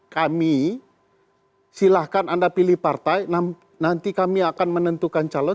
kami silahkan anda pilih partai nanti kami akan menentukan calon